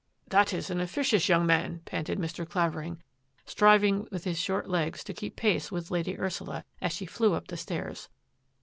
" That is an officious young man," panted Mr. Clavering, striving with his short legs to keep pace with Lady Ursula as she flew up the stairs.